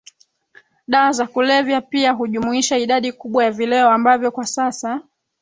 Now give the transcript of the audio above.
Dawa za kulevya pia hujumuisha idadi kubwa ya vileo ambavyo kwa sasa